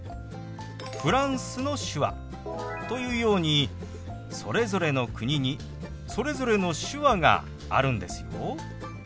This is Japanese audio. フランスの手話というようにそれぞれの国にそれぞれの手話があるんですよ。